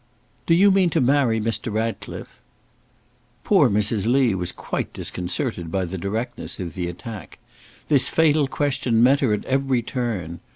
"Do you mean to marry Mr. Ratcliffe?" Poor Mrs. Lee was quite disconcerted by the directness of the attack. This fatal question met her at every turn.